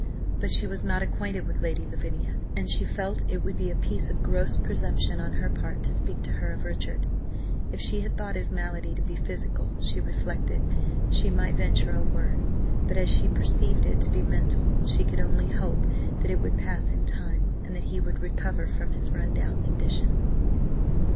But she was not acquainted with Lady Lavinia, and she felt it would be a piece of gross presumption on her part to speak to her of Richard. If she had thought his malady to be physical, she reflected, she might venture a word, but as she perceived it to be mental, she could only hope that it would pass in time, and that he would recover from his run down condition.